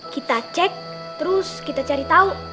kita cek terus kita cari tahu